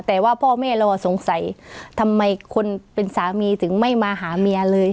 แต่ว่าพ่อแม่เราสงสัยทำไมคนเป็นสามีถึงไม่มาหาเมียเลย